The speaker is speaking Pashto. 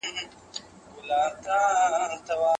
هغه وایي چې کلتور د یووالي غوره لاره ده.